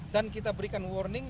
dan kita berikan warning